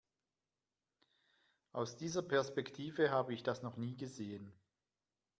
Aus dieser Perspektive habe ich das noch nie gesehen.